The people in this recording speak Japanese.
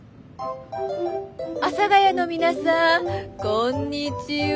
阿佐ヶ谷の皆さんこんにちは。